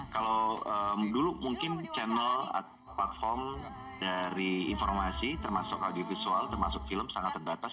kalau dulu mungkin channel platform dari informasi termasuk audiovisual termasuk film sangat terbatas